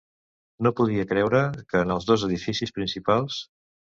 No podia creure que en els dos edificis principals...